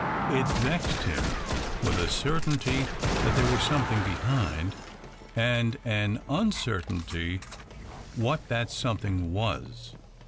It vexed him with a certainty that there was something behind, and an uncertainty what that something was.